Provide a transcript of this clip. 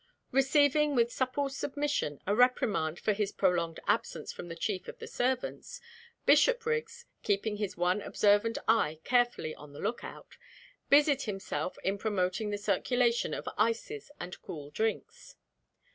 Receiving, with supple submission, a reprimand for his prolonged absence from the chief of the servants, Bishopriggs keeping his one observant eye carefully on the look out busied himself in promoting the circulation of ices and cool drinks.